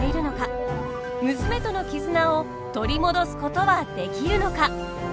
娘との絆を取り戻すことはできるのか。